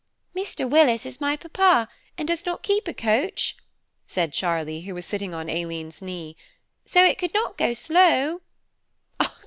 "Mr. Willis is my papa, and does not keep a coach," said Charlie, who was sitting on Aileen's knee, "so it could not go slow."